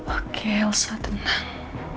oke elsa tenang